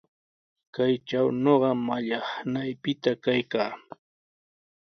Kaytraw ñuqa mallaqnaypita kaykaa.